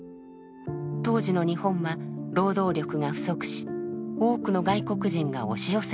当時の日本は労働力が不足し多くの外国人が押し寄せていました。